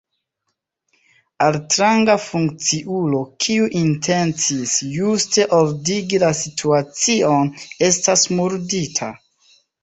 Altranga funkciulo, kiu intencis juste ordigi la situacion, estas murdita.